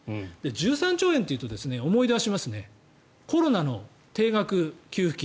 １３兆円っていうと思い出しますねコロナの定額給付金。